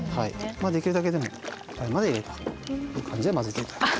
できるだけでもいっぱいまで入れるという感じで混ぜて頂く。